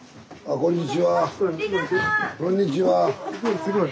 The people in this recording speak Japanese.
こんにちは。